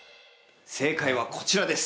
正解はこちらです！